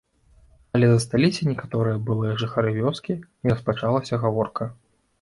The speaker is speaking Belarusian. Але засталіся некаторыя былыя жыхары вёскі, і распачалася гаворка.